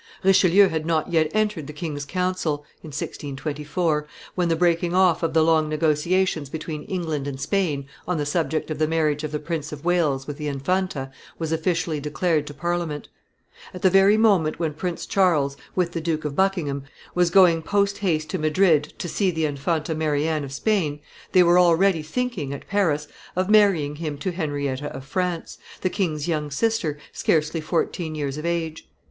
Richelieu had not yet entered the king's council (1624), when the breaking off of the long negotiations between England and Spain, on the subject of the marriage of the Prince of Wales with the Infanta, was officially declared to Parliament. At the very moment when Prince Charles, with the Duke of Buckingham, was going post haste to Madrid, to see the Infanta Mary Anne of Spain, they were already thinking, at Paris, of marrying him to Henrietta of France, the king's young sister, scarcely fourteen years of age.